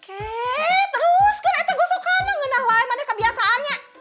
keh terus kan itu gue suka neng ngenah wahai mana kebiasaannya